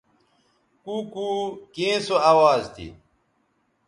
کُوکُو کیں سو اواز تھی؟